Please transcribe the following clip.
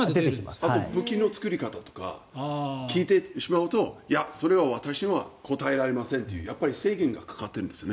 あと武器の作り方とか聞いてしまうといや、それは私は答えられませんとか制限がかかってるんですね。